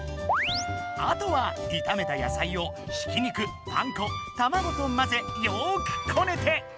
あとは炒めた野菜をひき肉パン粉卵とまぜよくこねて。